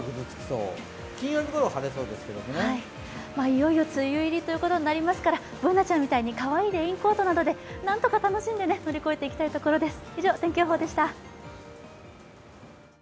いよいよ梅雨入りということになりますからＢｏｏｎａちゃんたいにかわいいレインコートなどで何とか楽しんで乗り越えていきたいところです。